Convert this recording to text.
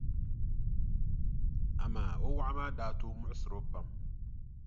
Amaa o wɔɣu maa daa tooi muɣisiri o pam.